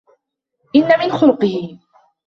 إنَّ مِنْ خُلُقِهِ